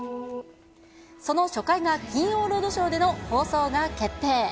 その初回が金曜ロードショーでの放送が決定。